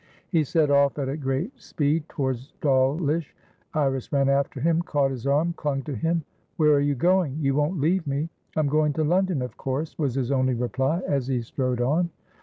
He set off at a great speed towards Dawlish. Iris ran after him, caught his arm, clung to him. "Where are you going? You won't leave me?" "I'm going to London, of course," was his only reply, as he strode on.